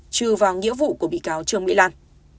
trừ vào nghĩa vụ của bị cáo trương mỹ lan